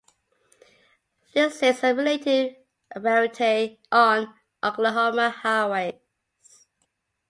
This is a relative rarity on Oklahoma highways.